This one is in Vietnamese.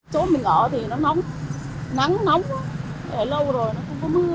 chỗ mình ở thì nó nóng nắng nóng để lâu rồi nó không có mưa hết